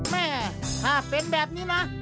แม่ถ้าเป็นแบบนี้นะ